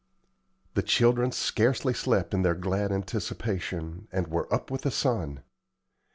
The children scarcely slept in their glad anticipation, and were up with the sun.